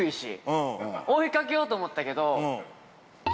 追い掛けようと思ったけど。